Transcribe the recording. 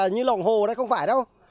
như lòng hồ này không phải đâu